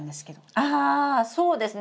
あそうですね。